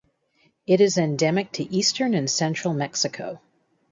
It is endemic to eastern and central Mexico.